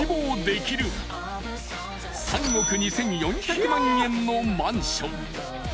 ［３億２，４００万円のマンション］